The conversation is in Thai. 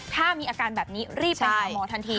ถ้ามีอาการแบบนี้รีบไปหาหมอทันที